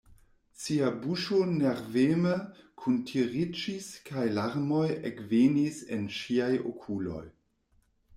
Sia buŝo nerveme kuntiriĝis kaj larmoj ekvenis en ŝiaj okuloj.